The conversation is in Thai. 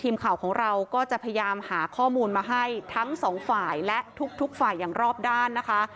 ทีมข่าวของเราก็จะพยายามหาข้อมูลมาให้ทั้งสองฝ่ายและทุกฝ่ายอย่างรอบด้านนะคะ